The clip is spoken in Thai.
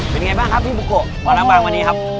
เป็นยังไงบ้างพี่ปุ๊กโกมาล้างบางวันนี้ครับ